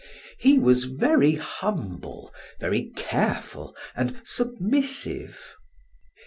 He was very humble, very careful, and submissive.